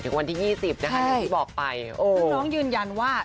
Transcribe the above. ซึ่งน้องยืนยันว่า